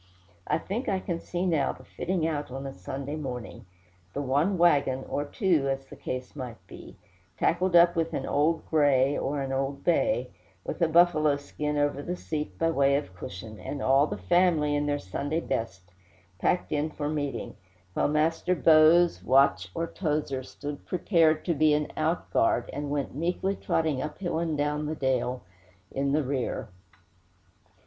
I think I can see now the fitting out on a Sunday morning the one wagon, or two, as the case might be, tackled up with an "old gray" or an "old bay," with a buffalo skin over the seat by way of cushion, and all the family, in their Sunday best, packed in for meeting; while Master Bose, Watch, or Towser stood prepared to be an outguard, and went meekly trotting up hill and down dale in the rear.